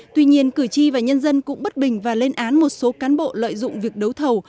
tuy nhiên cử tri và nhân dân cũng bất bình và lên án một số cán bộ lợi dụng việc đấu thầu